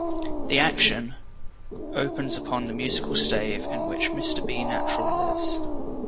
The action opens upon the musical stave in which Mr. B Natural lives.